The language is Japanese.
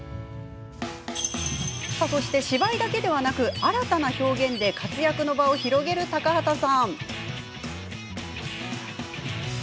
そして、芝居だけではなく新たな表現で活躍の場を広げる高畑さん。